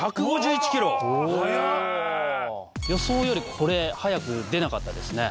予想よりこれ速く出なかったですね